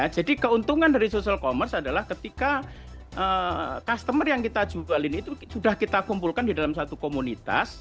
keuntungan dari social commerce adalah ketika customer yang kita jualin itu sudah kita kumpulkan di dalam satu komunitas